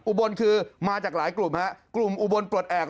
อุบลคือมาจากหลายกลุ่มฮะกลุ่มอุบลปลดแอบ